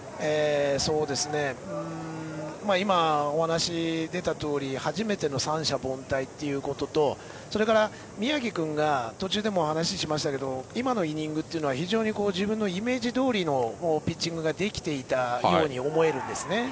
今、お話に出たとおり初めての三者凡退ということとそれから宮城君が途中でもお話しましたが今のイニングというのは非常に自分のイメージどおりのピッチングができていたように思えるんですね。